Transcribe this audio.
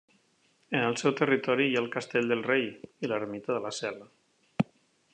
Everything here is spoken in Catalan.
En el seu territori hi ha el Castell del Rei i l'ermita de la Cel·la.